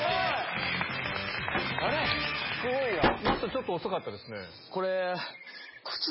ちょっと遅かったですね。